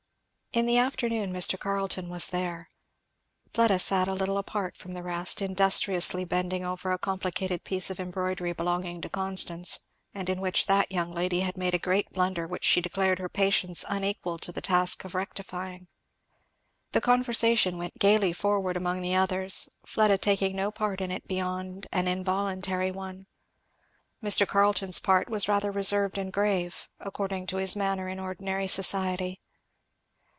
In the afternoon Mr. Carleton was there. Fleda sat a little apart from the rest, industriously bending over a complicated piece of embroidery belonging to Constance and in which that young lady had made a great blunder which she declared her patience unequal to the task of rectifying. The conversation went gayly forward among the others; Fleda taking no part in it beyond an involuntary one. Mr. Carleton's part was rather reserved and grave; according to his manner in ordinary society.